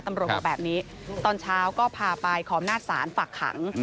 ตำรวจก็แบบนี้ตอนเช้าก็พาไปขอมนาสาหรรษ์ฝั่กขัง